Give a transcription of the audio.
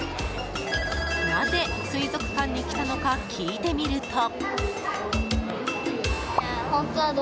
なぜ、水族館に来たのか聞いてみると。